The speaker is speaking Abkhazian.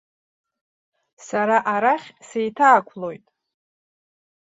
Сара арахь сеиҭаақәлоит.